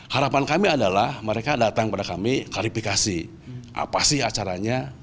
harapan kami adalah mereka datang kepada kami klarifikasi apa sih acaranya